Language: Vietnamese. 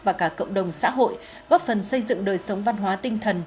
và cả cộng đồng xã hội góp phần xây dựng đời sống văn hóa tinh thần